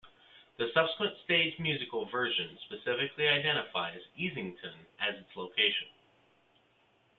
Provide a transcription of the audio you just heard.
The subsequent stage musical version specifically identifies Easington as its location.